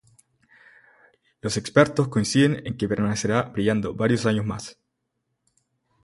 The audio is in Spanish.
Los expertos coinciden en que permanecerá brillando varios años más.